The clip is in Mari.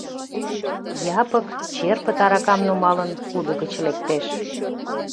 Япык, черпыт аракам нумалын, кудо гыч лектеш.